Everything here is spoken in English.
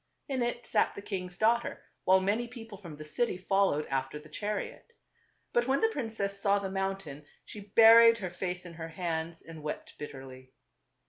In it sat ^ the king's daughter, while many people from the city followed after the chariot. But when the princess saw the mountain she buried her face in her hands and wept bitterly.